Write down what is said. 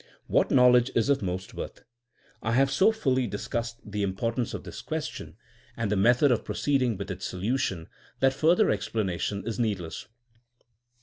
What knowledge is of most worth? I have so fully discussed the importance of this ques 220 THINKINa A8 A 8CIEN0E tion and the method of proceeding with its solu tion that further explanation is needless.